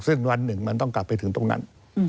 ซึ่งวันหนึ่งมันต้องกลับไปถึงตรงนั้น